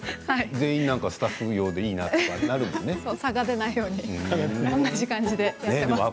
全員スタッフ用でいいなって差が出ないように同じ感じでやっています。